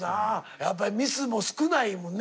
やっぱりミスも少ないもんね。